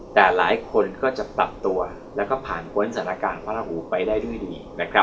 แต่หลายคนก็จะปรับตัวแล้วก็ผ่านพ้นสถานการณ์พระราหูไปได้ด้วยดี